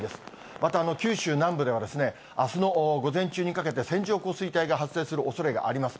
また九州南部では、あすの午前中にかけて、線状降水帯が発生するおそれがあります。